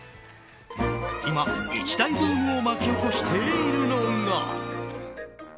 今、一大ブームを巻き起こしているのが。